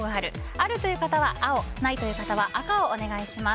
あるという方は青ないという方は赤をお願いします。